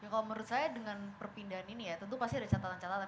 kalau menurut saya dengan perpindahan ini ya tentu pasti ada catatan catatan